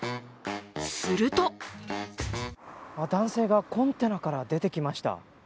すると男性がコンテナから出てきました。